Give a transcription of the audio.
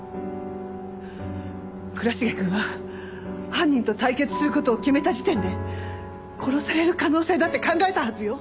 倉重くんは犯人と対決する事を決めた時点で殺される可能性だって考えたはずよ！